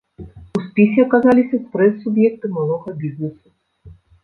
У спісе аказаліся спрэс суб'екты малога бізнэсу.